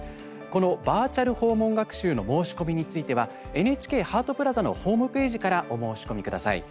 このバーチャル訪問学習の申し込みについてはＮＨＫハートプラザのホームページからお申し込みください。